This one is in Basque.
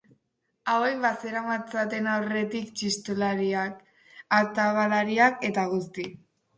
Hauek bazeramatzaten aurretik txistulariak, atabalariak, eta guzti.